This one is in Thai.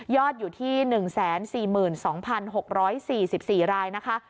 อยู่ที่๑๔๒๖๔๔รายนะคะ